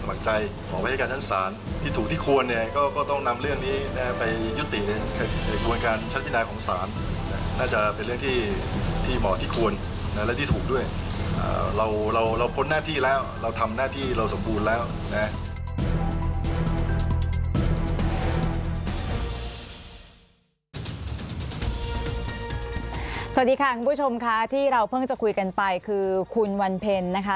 สวัสดีค่ะคุณผู้ชมค่ะที่เราเพิ่งจะคุยกันไปคือคุณวันเพ็ญนะคะ